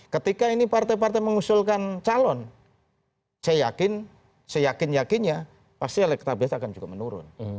ketika ini partai partai mengusulkan calon saya yakin seyakin yakinnya pasti elektabilitas akan juga menurun